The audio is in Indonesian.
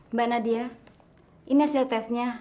mbak nadia ini hasil tesnya